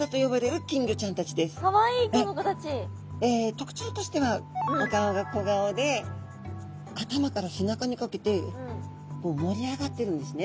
特徴としてはお顔が小顔で頭から背中にかけて盛り上がってるんですね。